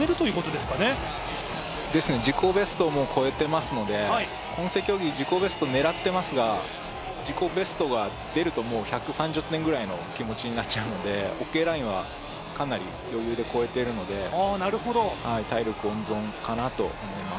ですね、自己ベストをもう超えていますので、混成競技、自己ベストを狙っていますが、自己ベストが出るともう１３０点ぐらいの気持ちになっちゃうのでオッケーラインはかなり余裕で越えているので、体力温存かなと思います。